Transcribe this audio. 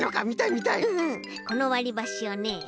このわりばしをね